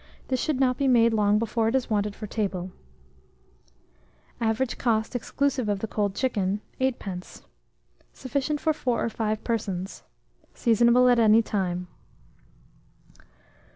This should not be made long before it is wanted for table. Average cost, exclusive of the cold chicken, 8d. Sufficient for 4 or 5 persons. Seasonable at any time.